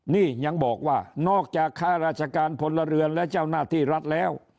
นี่ยังบอกว่านอกจากค่าราชการพลเรือนและเจ้าหน้าที่รัฐแล้ว